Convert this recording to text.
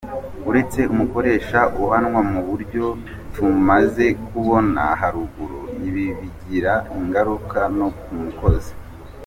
Uretse umukoresha uhanwa mu buryo tumaze kubona haruguru, ibi bigira ingaruka no ku mukozi.